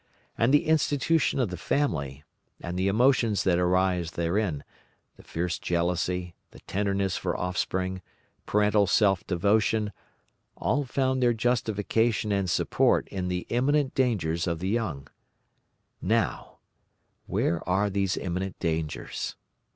And the institution of the family, and the emotions that arise therein, the fierce jealousy, the tenderness for offspring, parental self devotion, all found their justification and support in the imminent dangers of the young. Now, where are these imminent dangers?